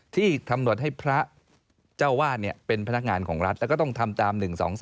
ที่กำหนดให้พระเจ้าวาดเป็นพนักงานของรัฐแล้วก็ต้องทำตาม๑๒๓